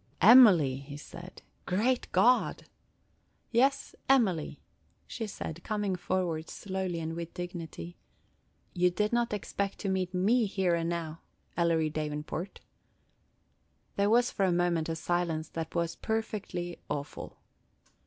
"Emily!" he said. "Great God!" "Yes, Emily!" she said, coming forward slowly and with dignity. "You did not expect to meet ME here and now, Ellery Davenport!" There was for a moment a silence that was perfectly awful.